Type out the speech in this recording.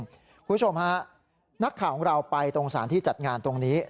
คุณผู้ชมฮะนักข่าวของเราไปตรงสารที่จัดงานตรงนี้